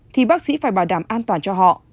thì bác sĩ phải bảo đảm an toàn cho họ